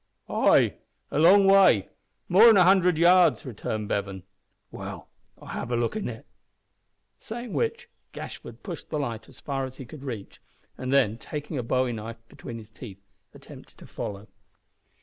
"Ay, a long way. More'n a hundred yards," returned Bevan. "Well, I'll have a look at it." Saying which Gashford pushed the light as far in as he could reach, and then, taking a bowie knife between his teeth, attempted to follow.